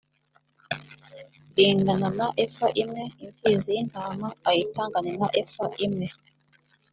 ringana na efa imwe imfizi y’intama ayitangane na efa imwe